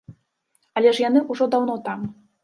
Але ж яны ўжо даўно там!